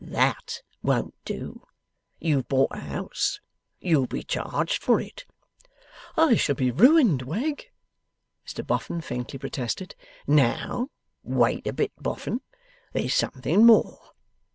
THAT won't do. You've bought a house. You'll be charged for it.' 'I shall be ruined, Wegg!' Mr Boffin faintly protested. 'Now, wait a bit, Boffin; there's something more.